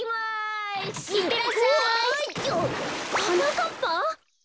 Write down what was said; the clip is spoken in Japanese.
はなかっぱ！？